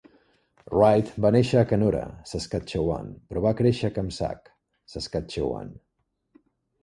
Wright va néixer a Canora, Saskatchewan, però va créixer a Kamsack, Saskatchewan.